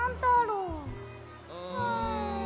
うん。